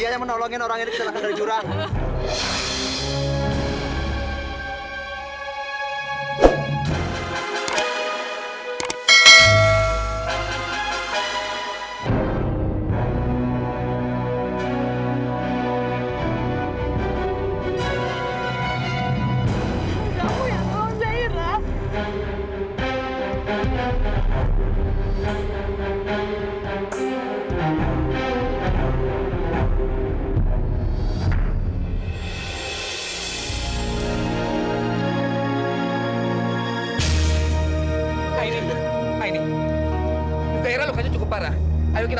jairah kecelakaan mas